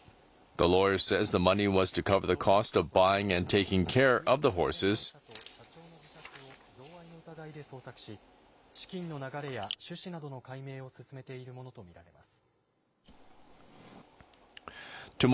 東京地検特捜部はきょう風力発電会社と社長の自宅を贈賄の疑いで捜索し資金の流れや趣旨などの解明を進めているものとみられます。